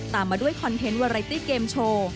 มาด้วยคอนเทนต์วาไรตี้เกมโชว์